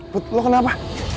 put lo kenapa